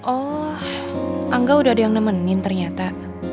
oh angga udah ada yang nemenin ternyata